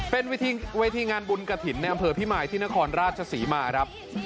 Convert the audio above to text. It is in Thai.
เป็นเวทีงานบุญกระถิ่นในอำเภอพิมายที่นครราชศรีมาครับ